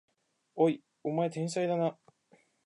おい、お前天才だな！